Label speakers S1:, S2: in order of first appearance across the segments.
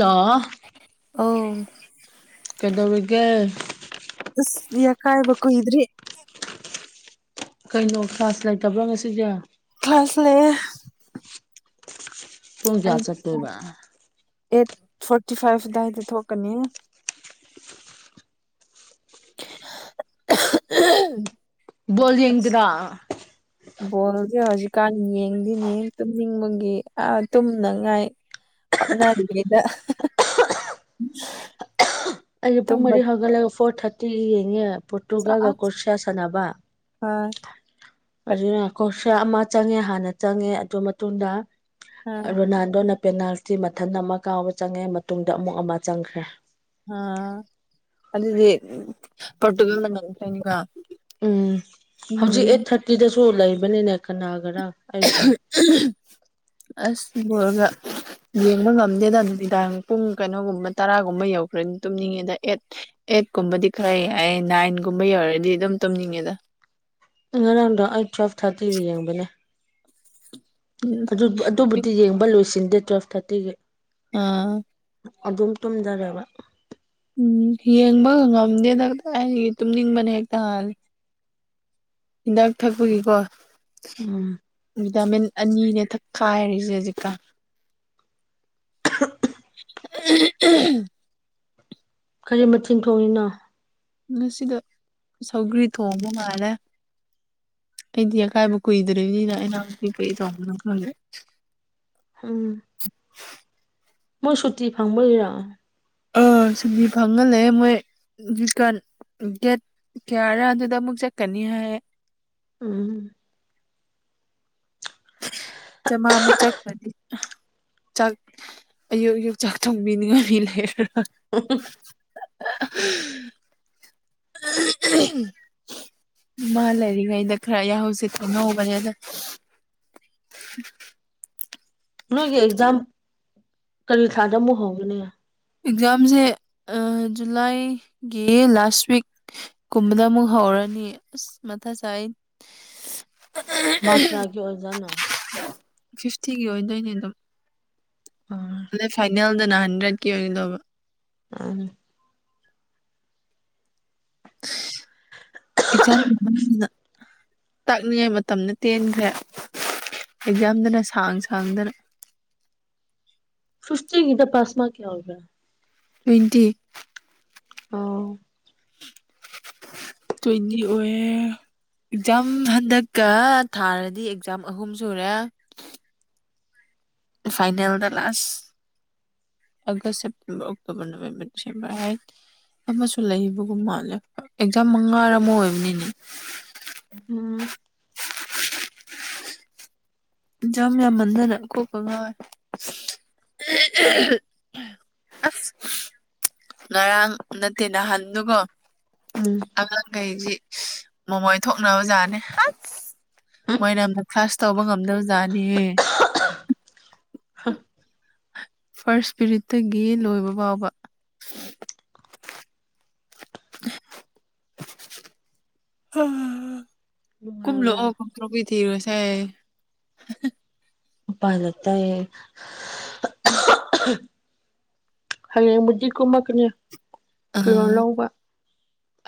S1: ꯂꯣ
S2: ꯑ
S1: ꯀꯩꯗꯧꯔꯒꯦ
S2: ꯑꯁ ꯌꯥ ꯀꯥꯏꯕꯣ ꯏ꯭ꯔꯤ
S1: ꯀꯩꯅꯣ ꯀ꯭ꯂꯥꯁ ꯂꯩꯇꯕ꯭ꯔꯥ ꯉꯁꯤꯁꯦ
S2: ꯀ꯭ꯂꯥꯁ ꯂꯦ
S1: ꯄꯨꯡ ꯀꯌꯥ ꯆꯠꯀꯦꯕ
S2: ꯑꯦꯠ ꯐꯣꯔꯇꯤ ꯐꯥꯏꯚ ꯗꯥꯥꯏꯗ ꯊꯣꯛꯣꯛꯀꯅꯤ
S1: ꯕꯣꯜ ꯌꯦꯡꯗ꯭ꯔꯥ
S2: [unintelligible] ꯣꯜꯗ ꯍꯧꯖꯤ ꯀꯥꯟ ꯌꯦꯡꯗꯤꯅꯦ ꯇꯨꯝꯅꯤꯡꯕꯒꯤ ꯑ ꯇꯨꯝꯅꯉꯥꯏ ꯑꯣꯟꯅꯅꯤ ꯀꯗ
S1: ꯑꯩꯦ ꯄꯨꯡ ꯃꯔꯤ ꯍꯥꯏꯒꯂꯒ ꯐꯣꯔ ꯊꯥꯔꯇꯤ ꯌꯦꯡꯉꯦ ꯄꯣꯔꯇꯨꯒꯜ
S2: ꯆꯥꯁ
S1: ꯑꯀꯣꯁꯤꯌꯥ ꯁꯥꯟꯅꯕꯅ
S2: ꯑꯥ ꯑꯥ
S1: ꯄꯩꯁꯥ ꯑꯃ ꯆꯪꯉꯦ ꯍꯥꯟꯅ ꯆꯪꯉꯦ ꯑꯗꯨ ꯃꯇꯨꯡꯗ ꯔꯣꯅꯥꯜꯗꯣꯅ ꯄꯦꯅꯥꯜꯇꯤ ꯃꯊꯟ ꯑꯃ ꯀꯥꯎꯕ ꯆꯪꯉꯦ ꯃꯇꯨꯡꯗ ꯑꯃꯨꯛ ꯑꯃ ꯆꯪꯈ꯭ꯔꯦ
S2: ꯑ ꯑ ꯄꯒ
S1: ꯎꯝ ꯍꯧꯖꯤꯛ ꯑꯩꯠ ꯊꯥꯔꯇꯤꯗꯁꯨ ꯂꯩꯕꯅꯤꯅꯦ ꯀꯅꯥ ꯈꯔ
S2: ꯑꯁ ꯣꯜꯒ ꯌꯦꯡꯕ ꯉꯝꯗꯦꯗ ꯑꯗꯨ ꯅꯨꯃꯤꯗꯥꯡ ꯄꯨꯡ ꯀꯩꯅꯣꯒꯨꯝꯕ ꯇꯔꯥꯒꯨꯝꯕ ꯌꯧꯈ꯭ꯔ ꯇꯨꯝꯅꯤꯡꯉꯦꯗ ꯑꯦꯠ ꯑꯩꯠ ꯀꯨꯝꯕꯗꯤ ꯈꯔ ꯑꯩ ꯅꯥꯏꯟꯒꯨꯝꯕ ꯌꯧꯔꯗꯤ ꯑꯗꯨꯝ ꯇꯨꯝꯅꯤꯡꯉꯦꯗ
S1: ꯉꯔꯗ ꯑꯩ ꯆꯋꯦꯜ ꯊꯥꯔꯇꯔꯤ ꯌꯦꯕꯅꯦ ꯑꯗꯨꯕꯨꯗꯤ ꯌꯦꯡꯕ ꯂꯣꯏꯁꯤꯟꯗꯦ ꯇꯨꯋꯦꯜꯐ ꯊꯥꯔꯇꯤꯒꯤ
S2: ꯑꯥ
S1: ꯑꯗꯨꯝ ꯇꯨꯝꯖꯔꯕ
S2: ꯎꯝ ꯌꯦꯡꯕ ꯉꯝꯗꯦ ꯗꯥꯛꯇ ꯑꯩ ꯇꯨꯝꯅꯤꯡꯕꯅ ꯍꯦꯛꯇꯍꯜꯂꯤ ꯍꯤꯗꯥꯛ ꯊꯛꯄꯒꯤꯀꯣ
S1: ꯎꯝ
S2: ꯚꯤꯇꯥꯃꯤꯟ ꯑꯅꯤꯅꯦ ꯊꯛꯈꯥꯏꯔꯤꯁꯦ ꯍꯧꯖꯤꯛꯀ [unintelligible]
S1: ꯀꯔꯤ ꯃꯤꯟ ꯊꯣꯡꯅꯤꯅꯣ
S2: ꯉꯁꯤꯗ ꯁꯧꯒ꯭ꯔꯤ ꯊꯣꯡꯕ ꯃꯥꯜꯂꯦ ꯑꯩꯗꯤ ꯑꯀꯥꯏꯕ ꯀꯨꯏꯗ꯭ꯔꯔꯤꯕꯅꯤꯅ ꯑꯩꯅ ꯀ ꯀꯩ ꯇꯣꯡꯅꯣ ꯈꯂ
S1: ꯎꯝ ꯃꯣꯏ ꯁꯨꯇꯤ ꯐꯪꯕꯔꯥ
S2: ꯑꯥ ꯁꯤꯨꯗꯤ ꯐꯪꯍꯜꯂ ꯃꯣꯏ ꯆꯤꯛꯀꯟ ꯒꯦꯠ ꯀꯌꯥꯔꯥ ꯑꯗꯨꯗ ꯑꯃꯨꯛ ꯆꯠꯀꯅꯤ ꯍꯥꯏ
S1: ꯎꯝ
S2: ꯆꯃꯥ ꯑꯃꯨ ꯆꯠꯄꯗꯤ ꯆꯥꯛ ꯑꯌꯨꯛ ꯑꯌꯨꯣꯛ ꯆꯥꯛ ꯊꯣꯡꯕꯤꯅꯤꯡꯉꯥꯏ ꯃꯤ ꯂꯩ
S1: [unintelligible]
S2: [unintelligible] ꯃꯥ ꯂꯩꯔꯤꯒ ꯏ ꯈ꯭ꯔ ꯌꯥ ꯍ ꯁꯤꯛꯇ ꯅꯣꯕꯅꯦꯗ [unintelligible]
S1: ꯅꯣꯏꯒꯤ ꯑꯦꯛꯖꯥꯝ ꯀꯔꯤ ꯊꯥꯗ ꯑꯃꯨꯛ ꯍꯧꯒꯅꯤ
S2: ꯑꯦꯛꯖꯥꯝꯁꯦ ꯖꯨꯂꯥꯏꯒꯤ ꯂꯥꯁ ꯋꯤꯛꯀꯨꯝꯕꯗ ꯑꯃꯨꯛ ꯍꯧꯔ ꯅꯤ ꯃꯊ ꯆꯥꯏ
S1: ꯃꯥ ꯀꯌꯥꯒꯦ ꯑꯣꯏꯖꯅ
S2: ꯐꯤꯐꯇꯤꯒꯤ ꯑꯣꯏꯗꯣꯏꯅꯦ ꯑꯗꯨꯝ
S1: ꯎꯝ
S2: ꯑꯗ ꯐꯥꯏꯅꯦꯜꯗꯅ ꯍꯟꯗ꯭ꯔꯦꯠꯀꯤ ꯑꯣꯏꯒꯗꯧꯕ
S1: ꯑ
S2: ꯑꯦꯛꯖꯥꯝꯅ ꯇꯥꯛꯅꯤꯡꯉꯥꯏ ꯃꯇꯝꯅ ꯇꯦꯟꯈ꯭ꯔꯦ ꯑꯦꯛꯖꯥꯝꯗꯅ ꯁꯥꯡ ꯁꯥꯡꯗꯅ
S1: [unintelligible] ꯁꯁꯇꯤꯒꯤꯗ ꯄꯥꯁꯃꯥ ꯀꯌꯥ ꯑꯣꯏꯒ
S2: ꯇ꯭ꯋꯦꯟꯇꯤ
S1: ꯑ
S2: ꯇ ꯏꯗꯤ ꯑꯣꯏ ꯑꯦꯛꯖꯥꯝ ꯍꯟꯗꯛꯀ ꯊꯥꯔꯗꯤ ꯑꯦꯛꯖꯥꯝ ꯑꯍꯨꯝ ꯁꯨꯔꯦ ꯐꯥꯏꯅꯦꯜꯗ last August September October November December ꯍꯥꯏ ꯑꯃꯁꯨ ꯂꯩꯕꯒꯨꯝ ꯃꯥꯜꯂꯦ ꯑꯦꯛꯖꯥꯝ ꯃꯉꯥꯔ ꯑꯃ ꯑꯣꯏꯕꯅꯤꯅꯦ
S1: ꯎꯝ
S2: ꯌꯥꯝ ꯌꯥꯝ ꯃꯟꯊꯅ ꯀꯣꯛꯄ ꯉꯋꯣꯏ ꯑ ꯉꯔꯥꯡ ꯅꯠꯇꯦ ꯅꯍꯥꯟꯗꯨꯀꯣ
S1: ꯎꯝ
S2: ꯀꯩꯁꯤ ꯃꯣꯃꯣꯏ ꯊꯣꯛꯅꯕ ꯖꯥꯠꯅꯦ ꯍ ꯃꯣꯏꯅ ꯐꯔꯥꯁ ꯇꯥꯎꯧꯕ ꯉꯝꯗꯖꯥꯅꯤ ꯐꯥꯔꯁ ꯏꯁꯄꯤꯔꯤꯠꯇꯒꯤ ꯂꯣꯏꯕ ꯐꯥꯎꯕ ꯑ
S1: ꯅꯨꯡꯉꯥꯏꯕ꯭ꯔꯥ
S2: ꯀꯨꯝꯂꯣꯑꯣ ꯀꯇ꯭ꯔꯣ ꯄ ꯊꯤꯔꯣꯁꯥꯏ
S1: ꯄꯥꯂ ꯇꯌꯦ
S2: ꯎꯝ
S1: ꯍꯥꯏꯌꯦ ꯃꯖꯤ ꯀꯨꯃ ꯀꯅꯤ
S2: ꯑ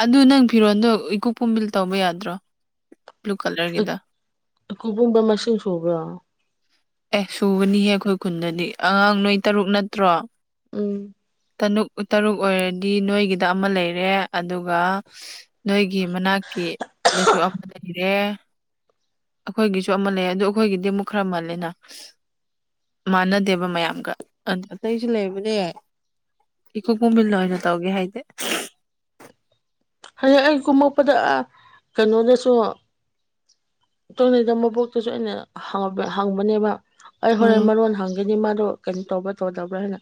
S2: ꯑꯗꯨꯗ ꯅꯪ ꯐꯤꯔꯣꯟꯜꯗꯣ ꯏꯀꯨꯞ ꯄꯨꯝꯕꯤꯜ ꯇꯧꯕ ꯌꯥꯗ꯭ꯔꯣ ꯕ꯭ꯂꯨ ꯀꯂꯔꯒꯤꯗ
S1: ꯀꯕꯨꯝꯕ ꯃꯁꯤꯡꯁ ꯁꯕ꯭ꯔ
S2: ꯑꯦ ꯁꯨꯕꯅꯤꯍꯦ ꯑꯩꯈꯣꯏ ꯈꯨꯟꯗꯗꯤ ꯑꯉꯥꯡ ꯅꯣꯏ ꯇꯔꯨꯛ ꯅꯠꯇ꯭ꯔꯣ
S1: ꯎꯝ
S2: ꯇꯨꯛ ꯇꯔꯨꯛ ꯑꯣꯏꯔꯗꯤ ꯅꯣꯏꯒꯤꯗ ꯑꯃ ꯂꯩꯔꯦ ꯑꯗꯨꯒ ꯅꯣꯏꯒꯤ ꯒꯤ ꯃꯅꯥꯛꯀꯤꯗꯁꯨ ꯑꯃ ꯂꯩꯔꯦ ꯑꯩꯈꯣꯏꯒꯤꯁꯨ ꯑꯃ ꯂꯩ ꯑꯗꯨ ꯑꯩꯈꯣꯏꯒꯤꯗꯤ ꯑꯃꯨꯛ ꯈꯔ ꯃꯥꯜꯂꯦꯅ ꯃꯥꯟꯅꯗꯦꯕ ꯃꯌꯥꯝꯒ ꯑ ꯑꯇꯩꯁꯨ ꯂꯩꯕꯅꯦ ꯌꯥꯏ ꯏꯀꯨ ꯀꯨꯃꯤꯜꯂ ꯍꯅ ꯇꯥꯎꯒꯤ ꯍꯥꯏꯗ
S1: ꯍꯌꯦꯡ ꯑꯩ ꯀꯨꯝꯃꯛꯄꯗ ꯀꯩꯅꯣꯗꯁꯨ ꯇꯣꯏꯅꯩꯗ ꯃꯕꯣꯛꯇꯁꯨ ꯑꯩꯅ ꯍꯪꯕꯅꯦꯕ ꯑꯩ ꯍꯣꯏ ꯑꯩ
S2: ꯎꯝ
S1: ꯃꯔꯣꯟ ꯍꯪꯒꯦꯅꯤ ꯃꯥ ꯀꯩꯅꯣ ꯇꯧꯕ꯭ꯔꯥ ꯇꯧꯗꯕ꯭ꯔꯥ ꯍꯥꯏꯅ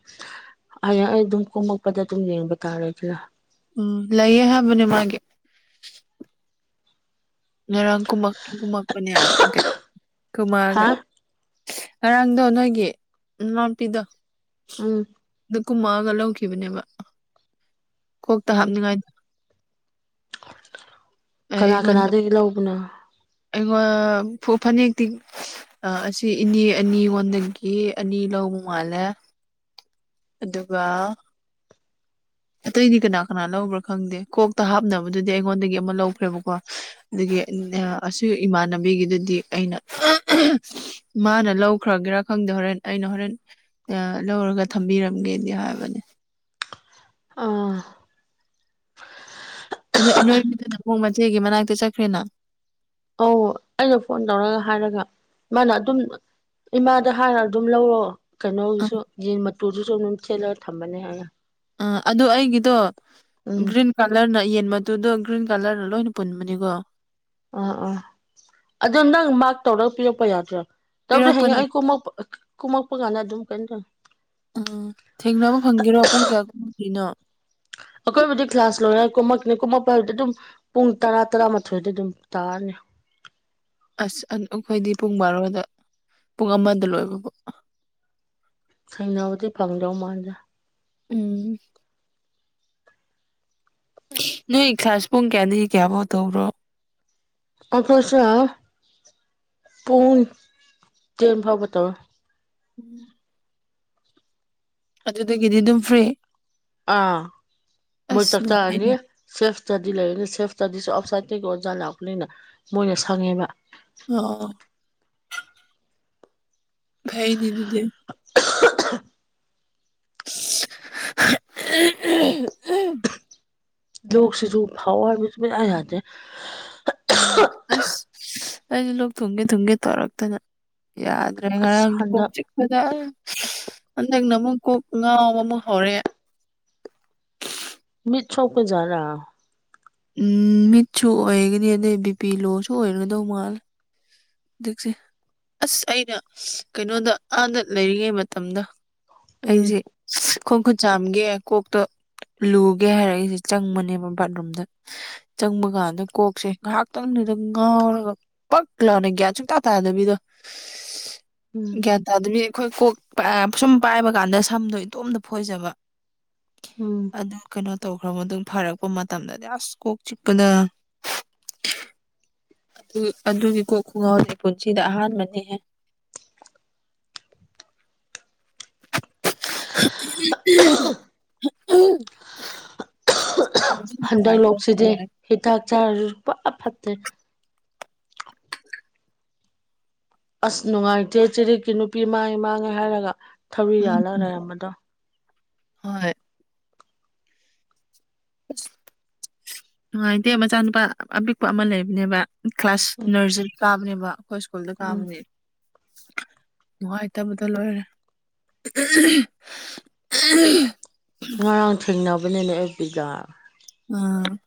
S1: ꯑꯩ ꯑꯩ ꯑꯗꯨꯝ ꯀꯣꯝꯃꯛꯄꯗ ꯑꯗꯨꯝ ꯌꯦꯡꯕ ꯇꯥꯔꯦ ꯑꯗꯨꯅ
S2: ꯎꯝ ꯂꯩꯌꯦ ꯍꯥꯏꯕꯅꯦ ꯃꯥꯒꯤ ꯉꯔꯥꯡ ꯀꯨꯝ ꯀꯨꯝꯃꯛꯄꯅꯦ ꯍꯥꯏ
S1: ꯍꯥ
S2: ꯀꯨꯝꯃꯑꯒ ꯉꯔꯥꯡꯗꯣ ꯅꯣꯏꯒꯤ ꯃꯄꯤꯗꯣ
S1: ꯎꯝ
S2: ꯀꯨꯝꯃꯛꯑꯒ ꯂꯧꯈꯤꯕꯅꯦꯕ ꯀꯣꯛꯇ
S1: ꯎꯝ
S2: ꯍꯥꯞꯅꯤꯡꯉꯥꯏꯗ
S1: ꯀꯅꯥ
S2: ꯑꯩꯉꯣꯟꯗ
S1: ꯀꯅꯥꯗꯒꯤ ꯂꯧꯕꯅꯣ
S2: ꯐꯅꯦꯛꯇꯤ ꯑꯁꯤ ꯏꯅꯦ ꯑꯅꯤꯉꯣꯟꯗꯒꯤ ꯑꯅꯤ ꯂꯧ ꯃꯥꯅꯦ ꯑꯗꯨꯒ ꯑꯇꯩꯗꯤ ꯀꯅꯥ ꯀꯅꯥ ꯂꯧꯕ꯭ꯔꯥ ꯈꯪꯗꯦ ꯀꯣꯛꯇ ꯍꯥꯞꯅꯕꯗꯨꯗꯤ ꯑꯩꯉꯣꯟꯗꯒꯤ ꯑꯃ ꯂꯧꯈ꯭ꯔꯦꯕꯀꯣ ꯑꯗꯨ ꯑꯁꯤ ꯏꯃꯥꯟꯅꯕꯤꯒꯤꯗꯨꯗꯤ ꯑꯩꯅ ꯃꯥꯅ ꯂꯧꯈ꯭ꯔꯒꯦꯔꯥ ꯈ ꯈꯪꯗ ꯍꯣꯔꯦꯟ ꯑꯩꯅ ꯍꯣꯔꯦꯟ ꯂꯧꯔꯒ ꯊꯝꯕꯤꯔꯝꯒꯦꯗꯤ ꯍꯥꯏꯕꯅꯦ
S1: ꯑꯥ
S2: ꯑꯅꯣꯏꯕꯗꯅ ꯄꯨꯡ ꯃꯆꯦꯒꯤ ꯃꯅꯥꯛꯇ ꯆꯠꯈ꯭ꯔꯦꯅ
S1: ꯑ ꯑꯩꯅ ꯐꯣꯟ ꯇꯧꯔꯒ ꯍꯥꯏꯔꯒ ꯃꯥꯅ ꯑꯗꯨꯝ ꯏꯃꯥꯗ ꯍꯥꯟꯅ ꯑꯗꯨꯝ ꯂꯧꯔꯛꯑꯣ
S2: ꯑꯥ
S1: ꯀꯩꯅꯣꯁꯨ ꯌꯦꯟ ꯃꯇꯨꯗꯨꯁꯨ ꯑꯗꯨꯝ ꯁꯦꯠꯂꯒ ꯊꯝꯕꯅꯦ ꯍꯥꯏꯅ
S2: ꯑ ꯑꯗꯨ ꯑꯩꯒꯤꯗꯣ
S1: ꯎꯝ
S2: ꯒ꯭ꯔꯤꯟ ꯀꯂꯔꯅ ꯌꯦꯟ ꯃꯗꯨꯗꯣ ꯒ꯭ꯔꯤꯟ ꯀꯂꯔꯗ ꯂꯣꯏꯅ ꯄꯨꯟꯕꯅꯤꯀꯣ
S1: ꯑꯥ ꯑꯥ ꯑꯗꯣ ꯅꯪ ꯃꯔ ꯇꯧꯔꯒ ꯄꯤꯔꯛꯄ ꯌꯥꯗ꯭ꯔꯣ ꯇꯧꯗꯤ ꯍꯌꯦꯡ
S2: ꯄꯤꯔꯛꯄꯅꯦ
S1: ꯑꯩ ꯀꯨꯝꯃꯛꯄ ꯀꯨꯝꯃꯛꯄ ꯀꯥꯟꯗ ꯑꯗꯨꯝ ꯀꯩꯅꯣ ꯇꯧꯋꯅꯤ
S2: ꯎꯝ ꯊꯦꯡꯅꯕ ꯐꯪꯒꯦꯔꯣ ꯄꯨꯡ ꯀꯌꯥ ꯀꯨꯝꯃꯗꯒꯤꯅꯣ
S1: ꯑꯩꯈꯣꯏꯕꯨꯗꯤ ꯀ꯭ꯂꯥꯁ ꯂꯣꯏꯅ ꯀꯨꯝꯃꯛꯀꯅꯤ ꯀꯣꯃꯛꯄ ꯍꯥꯏꯕꯗꯤ ꯑꯗꯨꯝ ꯄꯨꯡ ꯇꯔꯥ ꯇꯔꯥꯃꯥꯊꯣꯏꯗꯤ ꯑꯗꯨꯝ ꯇꯥꯔꯅꯤ [inaudible]
S2: ꯑꯁ ꯑꯩꯈꯣꯏꯗꯤ ꯄꯨꯡ ꯕꯥꯔꯣꯗ ꯄꯨꯡ ꯑꯃꯗ ꯂꯣꯏꯕꯕꯣ
S1: ꯁꯦꯡꯕꯨꯗꯤ ꯐꯪꯗ꯭ꯔꯧ ꯃꯥꯜꯂꯦ
S2: ꯎꯝ ꯅꯣꯏ ꯈꯥꯁꯕꯨꯡ ꯀꯅꯤ ꯀꯌꯥꯕꯣ ꯇꯧꯔꯣ
S1: ꯑꯣꯐ꯭ꯔꯁꯥ ꯄꯨꯡ ꯇꯦꯟ ꯐꯥꯎꯕ ꯇꯧꯏ
S2: ꯎꯝ ꯑꯗꯨꯗꯒꯤꯗꯤ ꯑꯗꯨꯝ ꯐ꯭ꯔꯤ
S1: ꯑꯥ ꯃꯣꯏ
S2: ꯑꯁ
S1: ꯇꯥꯛꯇꯥꯑꯅꯤ
S2: ꯅꯨꯡꯉꯥꯏꯅꯤ
S1: ꯁꯦꯐꯇꯗꯤ ꯂꯩꯔꯅꯤ ꯁꯦꯐ ꯏꯁꯇꯗꯤꯁꯨ ꯑꯥꯎꯠꯁꯥꯏꯗꯇꯩꯒꯤ ꯑꯣꯖꯥ ꯂꯥꯛꯄꯅꯤꯅ ꯃꯣꯏꯅ ꯁꯪꯉꯦꯕ
S2: ꯑ ꯍꯥꯏꯩꯗꯤꯗꯨꯗꯤ
S1: [inaudible]
S2: ꯎ
S1: ꯂ ꯁꯤꯁꯨ ꯍꯋꯥ ꯌꯥꯗꯦ
S2: ꯎꯝ ꯑꯁ ꯑꯩꯁꯨ ꯂꯣꯛ ꯊꯨꯡꯒꯦ ꯊꯨꯝꯒꯦ ꯇꯧꯔꯛꯇꯅ ꯌꯥꯗ꯭ꯔꯦ
S1: ꯑꯁ
S2: ꯉꯔꯥꯡ ꯀꯣꯛ
S1: ꯍꯟꯗꯛ
S2: ꯆꯤꯛꯄꯗ ꯍꯟꯗꯛꯅ ꯑꯃꯨꯛ ꯀꯣꯛ ꯉꯥꯎꯕ ꯑꯃꯨꯛ ꯍꯧꯔꯦ
S1: ꯃꯤꯠ ꯆꯧꯄꯦ ꯔ
S2: ꯎꯝ ꯃꯤꯠꯁꯨ ꯑꯣꯏꯒꯅꯤ ꯑꯗꯩ ꯕꯤ ꯄꯄꯤ ꯂꯣꯁꯨ ꯑꯣꯏꯔꯗꯧ ꯃꯥꯜ ꯍꯧꯛꯁꯦ ꯑꯁ ꯑꯩꯅ ꯀꯩꯅꯣꯗ ꯑꯥꯗ ꯂꯩꯔꯤꯉꯩ ꯃꯇꯝꯗ
S1: ꯎꯝ
S2: ꯑꯩꯁꯦ ꯈꯣꯡ ꯈꯨꯠ ꯆꯥꯝꯒꯦ ꯀꯣꯛꯇ ꯂꯨꯒꯦ ꯍꯥꯏꯔꯛꯏꯁꯦ ꯆꯪꯕꯅꯦꯕ ꯕꯥꯠꯔꯨꯝꯗ
S1: ꯎ
S2: ꯆꯪꯕ ꯀꯥꯟꯗ ꯀꯣꯛꯁꯦ ꯉꯥꯏꯍꯥꯛꯇꯪꯗꯨꯗ ꯉꯥꯎꯔꯒ ꯄꯛ ꯂꯥꯅ ꯒ꯭ꯌꯥꯟ ꯁꯨꯡꯇꯥ ꯇꯥꯗꯕꯤꯗꯣ
S1: [inaudible]
S2: ꯀꯌꯥ ꯇ ꯑꯗꯃꯤ ꯑꯩꯈꯣꯏ ꯀꯣꯛ ꯁꯨꯝ ꯄꯥꯏꯕ ꯀꯥꯟꯗ ꯁꯝꯗꯣ ꯏꯇꯣꯝꯇ ꯐꯣꯏꯖꯕ
S1: ꯎꯝ
S2: ꯑꯗꯨ ꯀꯩꯅꯣ ꯇꯧꯈ꯭ꯔꯕ ꯃꯇꯨꯡ ꯑꯗꯨ ꯐꯔꯛꯄ ꯃꯇꯝꯗꯗꯤ ꯑꯁ ꯀꯣꯛ ꯆꯤꯞꯄꯗ ꯑꯗꯨꯒꯤ ꯀꯣꯛ ꯈꯨꯡꯒꯥꯎꯒꯤ ꯄꯨꯟꯁꯤꯗ ꯑꯍꯥꯟꯕꯅꯤꯍꯦ
S1: [inaudible]
S2: ꯎ ꯎ
S1: ꯍꯟꯗꯛ ꯂꯣꯛꯁꯤꯗꯤꯦ ꯍꯤꯗꯥꯛ ꯆꯥꯔꯁꯨ ꯐꯠ ꯐꯠꯇꯦ ꯑꯁ ꯅꯨꯡꯉꯥꯏꯇꯦ ꯆꯦꯔꯠꯀꯤ ꯅꯨꯄꯤ ꯃꯥꯡꯉꯦ ꯃꯥꯡꯉꯦ ꯍꯥꯏꯔꯒ ꯊꯧꯔꯤ
S2: ꯎꯝ
S1: ꯌꯥꯂꯥ ꯂꯩꯔꯝꯕꯗꯣ
S2: ꯍꯣꯏ ꯅꯨꯡꯉꯥꯏꯇꯦ ꯃꯆꯥꯅꯨꯄꯥ ꯑꯄꯤꯛꯄ ꯑꯃ ꯂꯩꯕꯅꯦꯕ ꯀ꯭ꯂꯥꯁ
S1: ꯎꯝ
S2: ꯅꯔꯁꯔꯤꯗ ꯀꯥꯕꯅꯦꯕ ꯑꯩꯈꯣꯏ ꯁ꯭ꯀꯨꯜꯗ
S1: ꯎꯝ
S2: ꯀꯥꯕꯅꯦ ꯅꯣꯏ ꯏꯇꯕꯨꯗ ꯂꯣꯏꯔꯦ ꯎ ꯑ
S1: ꯉꯔꯥꯡ ꯊꯦꯡꯅꯕꯅꯦꯅꯦ ꯑꯦ ꯕꯤꯒꯥ
S2: ꯎꯝ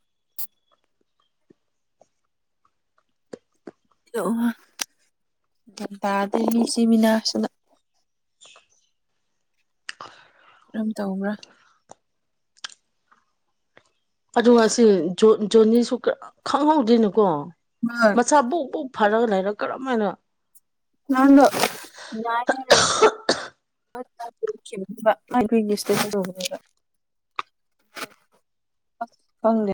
S2: ꯇꯗꯁꯤꯃꯤꯅꯥꯁꯤꯅ ꯀꯔꯝ ꯇꯧꯕ꯭ꯔꯥ
S1: ꯑꯗꯨ ꯉꯁꯤ ꯖꯣꯅꯤꯁꯨ ꯈꯪꯍꯧꯗꯣꯏꯅꯨꯀꯣ
S2: ꯍꯣꯏ
S1: ꯃꯁꯥ ꯕꯨꯛ ꯛ ꯐꯔꯒ ꯂꯩꯔ ꯀꯔꯝ ꯍꯥꯏꯅ
S2: ꯅꯍꯥꯟꯗꯣ ꯈꯤꯕꯕꯕꯨ ꯏꯪꯂꯤꯁꯇꯩꯗꯧꯕꯅꯦꯕ ꯐꯪꯦ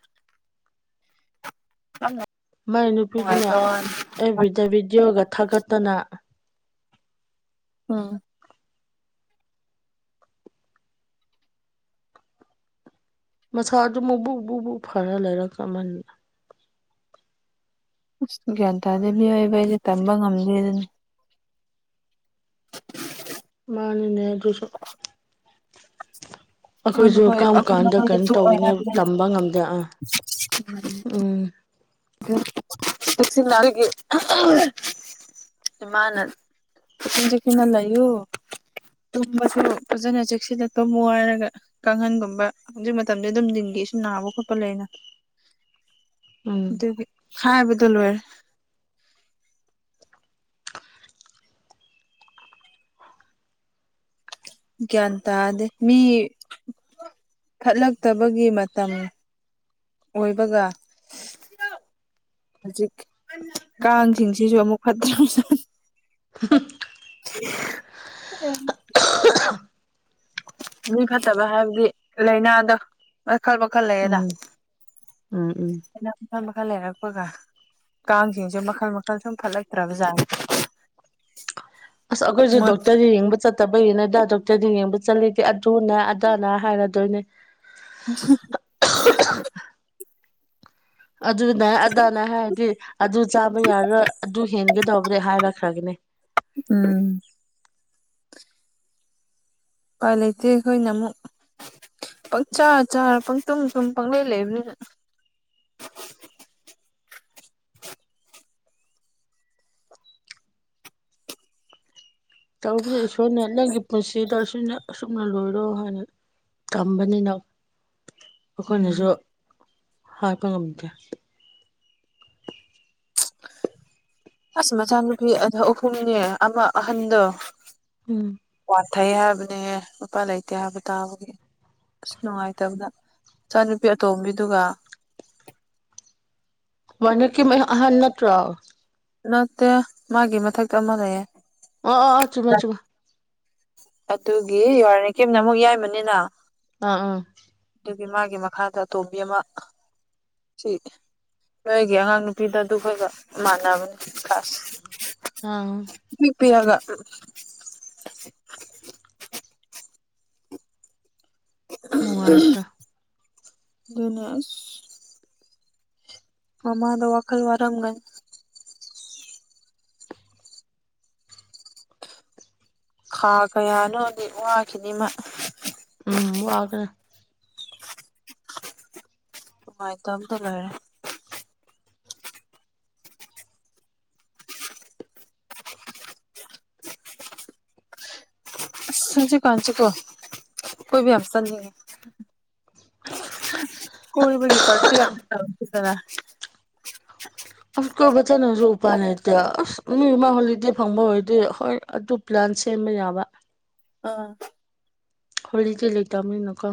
S2: ꯍꯃꯦ
S1: ꯃꯥꯏ ꯅꯨꯄꯤꯗꯨꯅ ꯑꯦꯕꯤꯗ ꯚꯤꯗꯤꯑꯣꯒ ꯊꯥꯒꯠꯇꯅ
S2: ꯑ
S1: ꯃꯁꯥꯗꯨ ꯃꯨꯛꯕꯨꯛ ꯕꯨꯕꯨ ꯐꯔ ꯂꯩꯔꯛꯃꯅ
S2: ꯑꯁ ꯒ꯭ꯌꯥꯟ ꯇꯥꯗꯕꯤ ꯑꯣꯏꯌꯦꯕ ꯑꯩꯁꯦ ꯇꯝꯕ ꯉꯝꯗꯦ ꯑꯗꯨꯅ
S1: ꯃꯥꯅꯤꯅꯦ ꯑꯗꯨꯁꯨ
S2: ꯑꯩꯈꯣꯏꯅ
S1: ꯑꯩꯈꯣꯏꯁꯨ
S2: ꯍꯣꯏ
S1: ꯀꯔꯝ
S2: ꯑꯩꯈꯣꯏꯅ
S1: ꯀꯥꯟꯗ
S2: ꯑꯩꯈꯣꯏꯗ
S1: ꯀꯩꯅꯣ
S2: ꯊꯣꯛꯑꯣꯏ
S1: ꯇꯧꯒꯅꯦ
S2: ꯍꯥꯏꯕꯗꯤ ꯂꯩꯇꯦ
S1: ꯇꯝꯕ ꯉꯝꯗꯦ ꯑꯥ ꯎꯝ
S2: ꯁꯤꯜꯒꯤ ꯏꯃꯅ ꯇ ꯆꯦ ꯀꯅ ꯂꯩꯣ ꯇꯨꯝꯕꯁꯨ ꯐꯖꯅ ꯆꯦꯛꯁꯤꯜꯂꯛꯄ ꯋꯥꯔꯒ ꯀꯥꯡꯈꯟꯒꯨꯝꯕ ꯍꯧꯖꯤꯛ ꯃꯇꯝꯗ ꯑꯗꯨꯝꯤꯡꯈꯤ ꯁꯤ ꯅꯥꯕ ꯈꯣꯠꯄ ꯂꯩꯅ
S1: [unintelligible]
S2: ꯈꯥꯏꯕꯗꯂꯔ ꯒꯌꯥꯟ ꯇꯥꯗꯦ ꯃꯤ ꯊꯠꯂꯛꯇꯕꯒꯤ ꯃꯇꯝ ꯑꯣꯏꯕꯒ ꯍꯧꯖꯤꯛ ꯀꯥꯡꯁꯤꯡꯁꯤꯁꯨ ꯑꯃꯨꯛ ꯐꯠꯇ꯭ꯔ ꯑ ꯃꯤ ꯐꯠꯇꯕ ꯍꯥꯏꯕꯗꯤ ꯂꯥꯏꯅꯥꯗ ꯃꯈꯜ ꯃꯈꯜ ꯂꯩꯌꯦꯗ
S1: ꯎꯝ ꯎꯝ ꯎꯝ
S2: ꯃꯈ ꯃꯈꯜ ꯂꯩꯔꯛꯄꯒ ꯀꯥꯡꯁꯤꯡꯁꯦ ꯃꯈꯜ ꯃꯈꯜ ꯁꯨꯝ ꯐꯠ ꯂꯩꯛꯇ꯭ꯔꯕꯖꯥꯠ
S1: ꯑꯁ ꯑꯩꯈꯣꯏꯁꯨ ꯗꯣꯛꯇꯔꯗ ꯌꯦꯡꯕ ꯆꯠꯇꯕꯒꯤꯅꯗ ꯗꯤ ꯌꯦꯡꯕ ꯆꯠꯂꯤꯗꯤꯦ ꯑꯗꯨꯅꯦ ꯑꯗꯥꯅ ꯍꯥꯏꯔꯗꯣꯏꯅꯦ
S2: [unintelligible]
S1: ꯑꯗꯨꯅ ꯑꯗꯥꯅ ꯍꯥꯏꯔꯗꯤ ꯑꯗꯨ ꯆꯥꯕ ꯌꯥꯔꯔꯣꯏ ꯑꯗꯨ ꯍꯦꯟꯒꯗꯧꯕꯅꯤ ꯍꯥꯏꯔꯛꯈ꯭ꯔꯒꯅꯤ
S2: ꯎꯝ ꯄꯥꯏ ꯂꯩꯇꯦ ꯈꯣꯢꯅꯃꯨꯚ ꯄꯪꯆꯥꯥ ꯆꯥꯔ ꯄꯪꯇꯨꯝ ꯁꯨꯝ ꯄꯪꯂꯩ ꯂꯩꯕꯅꯤꯅ
S1: [unintelligible] ꯇꯧꯕꯁ ꯏꯁꯣꯔꯅꯦ ꯅꯪꯒꯤ ꯄꯨꯟꯁꯤꯗ ꯑ ꯑꯁꯨꯝꯅ ꯂꯣꯏꯔꯣ ꯍꯥꯏꯅ ꯇꯝꯕꯅꯤꯅ
S2: ꯎꯝ
S1: ꯑꯩꯈꯣꯏꯅꯁꯨ ꯍꯥꯏꯄ ꯉꯝꯗꯦ
S2: ꯑꯁ ꯃꯆꯥꯅꯨꯄꯤ ꯑ ꯑꯍꯨꯝꯅꯦ ꯑꯃ ꯑꯍꯟꯗꯣ
S1: ꯎꯝ
S2: ꯊꯩ ꯍꯥꯏꯕꯅꯦꯍꯦ ꯂꯄꯥ ꯂꯩꯇꯦ ꯍꯥꯏꯕ ꯇꯥꯕꯒꯤ ꯑꯁ ꯅꯨꯡꯉꯥꯏꯇꯕꯗ ꯏꯆꯥꯅꯨꯄꯤ ꯑꯇꯣꯝꯕꯤꯗꯨꯒ
S1: ꯃꯅꯀꯤ ꯑꯍꯟꯅꯠꯇ꯭ꯔꯥꯎ
S2: ꯅꯠꯇꯦ ꯃꯥꯒꯤ ꯃꯊꯛꯇ ꯑꯃꯅꯑꯦ
S1: ꯑꯣꯑꯣꯑꯣ ꯆꯨꯝꯃꯦ ꯆꯨꯝꯃꯦ
S2: ꯑꯗꯨꯒꯤ ꯌꯥꯔꯦ ꯀꯤꯝꯅ ꯑꯃꯨꯛ ꯌꯥꯏꯃꯅꯤꯅ
S1: ꯑꯥ ꯑꯥ
S2: ꯑꯗꯨꯒꯤ ꯃꯥꯒꯤ ꯃꯈꯥꯗ ꯑꯇꯣꯝꯕꯤ ꯑꯃ ꯁꯤ ꯅꯣꯏꯒꯤ ꯑꯉꯥꯡ ꯅꯨꯄꯤꯗ ꯑꯗꯨꯈꯣꯏꯒ ꯃꯥꯟꯅꯕꯅꯤ ꯀ꯭ꯂꯥꯁ
S1: ꯑꯥ
S2: ꯄꯤꯛ [unintelligible]
S1: ꯅꯨꯡꯉꯥꯏꯇꯦ
S2: ꯗꯨꯅ ꯑꯁ ꯃꯃꯥꯗꯣ ꯋꯥꯈꯜ ꯋꯥꯔꯝꯒꯅꯤ ꯈꯥ ꯀꯌꯥꯅꯣꯗꯤ ꯋꯥꯈꯤꯅꯤꯃ
S1: ꯎꯝ ꯋꯥꯒꯅꯦ
S2: ꯅꯨꯡꯉꯥꯏꯇꯝꯇ ꯂꯣꯏꯔꯦ ꯑꯁ ꯍꯨꯖꯝꯛꯀꯥꯟꯁꯤꯀꯣ ꯀꯣꯏꯕ ꯌꯥꯝ ꯆꯠꯅꯤꯡꯉꯦ ꯀꯣꯏꯕꯒꯤ ꯄꯥꯔꯇꯤ ꯑꯝꯇ ꯇꯧꯁꯤꯗꯅ
S1: ꯑꯁ ꯀꯣꯏꯕ ꯆꯠꯂꯖꯨ ꯎꯄꯥꯏ ꯂꯩꯇꯦ ꯑꯁ ꯃꯤꯔ ꯃꯥ ꯍꯣꯂꯤꯗꯦ ꯐꯪꯕ ꯑꯣꯏꯗꯤ ꯍꯣꯏ ꯑꯗꯨ ꯄ꯭ꯂꯥꯟ ꯁꯦꯝꯕ ꯌꯥꯕ
S2: ꯑꯥ
S1: ꯍꯣꯂꯤꯗꯦ ꯂꯩꯇꯝꯅꯤꯅꯀꯣ